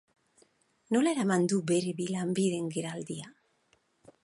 Nola eraman du bere bi lanbideen geraldia?